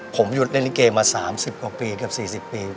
ผมหยุดเล่นลิเกมา๓๐กว่าปีเกือบ๔๐ปี